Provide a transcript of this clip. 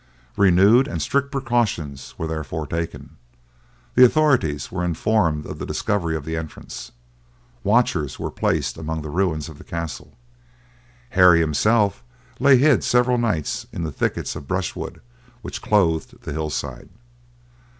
Renewed and strict precautions were therefore taken. The authorities were informed of the discovery of the entrance. Watchers were placed among the ruins of the castle. Harry himself lay hid for several nights in the thickets of brushwood which clothed the hill side.